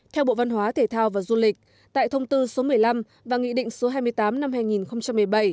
theo bộ văn hóa thể thao và du lịch tại thông tư số một mươi năm và nghị định số hai mươi tám năm hai nghìn một mươi bảy